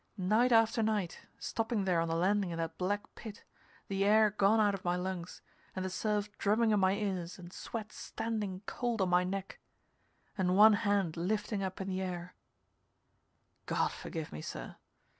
Night after night, stopping there on the landing in that black pit, the air gone out of my lungs and the surf drumming in my ears and sweat standing cold on my neck and one hand lifting up in the air God forgive me, sir!